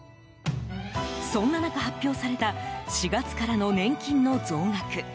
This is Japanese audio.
そんな中、発表された４月からの年金の増額。